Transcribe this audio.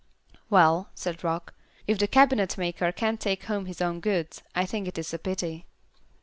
"Well," said Rock, "if the cabinetmaker can't take home his own goods, I think it is a pity."